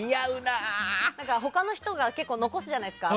他の人が結構、残すじゃないですか。